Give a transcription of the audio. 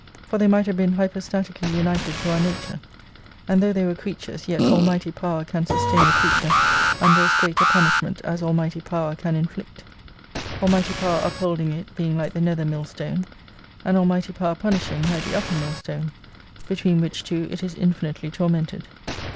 For they might have been hypostatically united to our nature, and though they were creatures, yet Almighty Power can sustain a creature under as great a punishment as Almighty Pov/er can inflict. Almighty Power upholding it being like the nether millstone, and Almighty Power punishing like the upper millstone, between which two it is infinitely tormented.